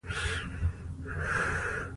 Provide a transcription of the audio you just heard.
ځمکنی شکل د افغانستان د طبیعي پدیدو یو رنګ دی.